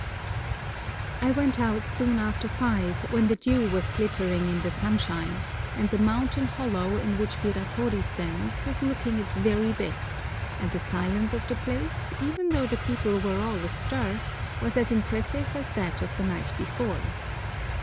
I went out soon after five, when the dew was glittering in the sunshine, and the mountain hollow in which Biratori stands was looking its very best, and the silence of the place, even though the people were all astir, was as impressive as that of the night before.